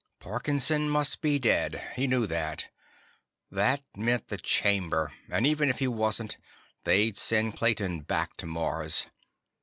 Parkinson must be dead; he knew that. That meant the Chamber. And even if he wasn't, they'd send Clayton back to Mars.